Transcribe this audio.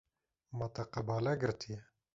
Ma te qebale girtiye.